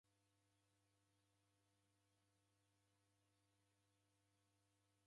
W'abonya ndisha ya mifugho raw'o kireti.